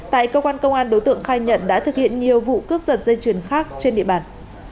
tại cơ quan công an đối tượng khai nhận đã thực hiện nhiều vụ cướp giật dây chuyền khác trên địa bàn